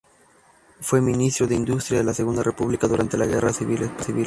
Fue ministro de Industria de la Segunda República durante la Guerra Civil Española.